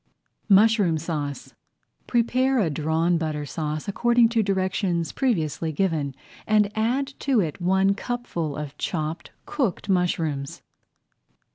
MUSHROOM SAUCE Prepare a Drawn Butter Sauce according to [Page 31] directions previously given and add to it one cupful of chopped cooked mushrooms.